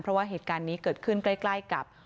เพราะว่าเหตุการณ์นี้เกิดขึ้นใกล้กับ